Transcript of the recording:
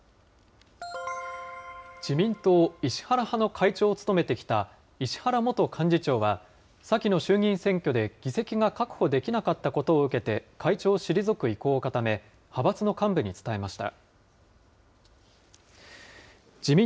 自民党、石原派の会長を務めてきた石原元幹事長は、先の衆議院選挙で議席が確保できなかったことを受けて、会長を退く意向を固め、派閥の幹部に伝えました。